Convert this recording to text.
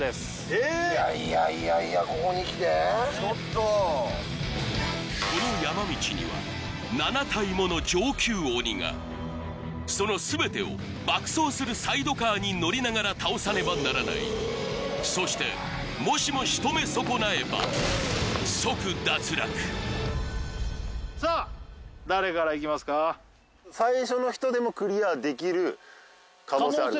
・えっ！？いやいやいやいやちょっとこの山道には７体もの上級鬼がその全てを爆走するサイドカーに乗りながら倒さねばならないそしてもしもしとめそこなえば即脱落最初の人でもクリアできる可能性あるんですね？